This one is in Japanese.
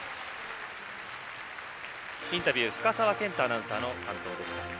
インタビュー深澤健太アナウンサーの担当でした。